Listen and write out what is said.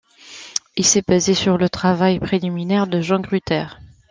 Il s'est basé sur le travail préliminaire de Jean Gruter.